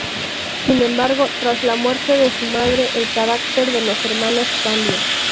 Sin embargo, tras la muerte de su madre, el carácter de los hermanos cambia.